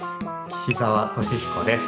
岸澤利彦です。